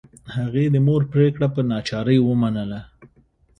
هغې د مور پریکړه په ناچارۍ ومنله